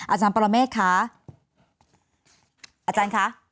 อาจารย์ปรเมฆค่ะอาจารย์คะ